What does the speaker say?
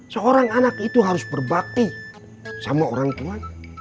seorang anak itu harus berbakti sama orang tua